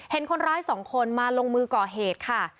เห็นคนร้ายสองคนมาลงมือก่อเหตุค่ะ